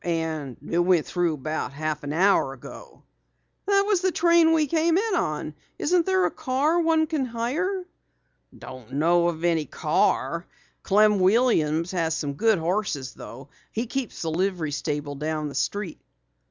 And it went through about half an hour ago." "That was the train we came in on. Isn't there a car one can hire?" "Don't know of any. Clem Williams has some good horses though. He keeps the livery stable down the street."